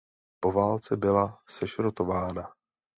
Po válce byla sešrotována.